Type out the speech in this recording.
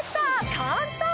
簡単！